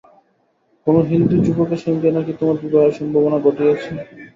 কোনো হিন্দু যুবকের সঙ্গে নাকি তোমার বিবাহের সম্ভাবনা ঘটিয়াছে।